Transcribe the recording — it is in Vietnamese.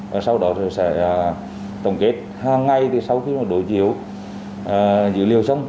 và sau đó sẽ tổng kết hàng ngày sau khi đối chiếu dữ liệu xong